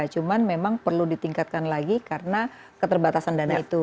cuma memang perlu ditingkatkan lagi karena keterbatasan dana itu